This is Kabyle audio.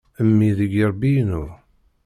Mmi deg yirebbi-inu.